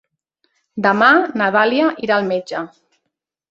Demà na Dàlia irà al metge.